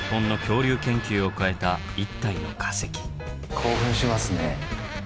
興奮しますね。